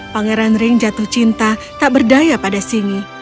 pangeran ring jatuh cinta tak berdaya pada sini